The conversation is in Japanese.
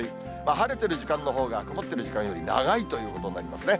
晴れてる時間のほうが、曇ってる時間より長いということになりますね。